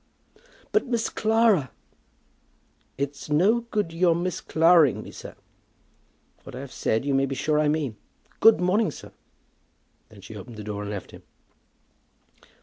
"But, Miss Clara " "It's no good your Miss Claraing me, sir. What I have said you may be sure I mean. Good morning, sir." Then she opened the door, and left him.